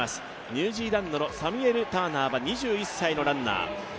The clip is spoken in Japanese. ニュージーランドのサミュエル・ターナーは２１歳のランナー。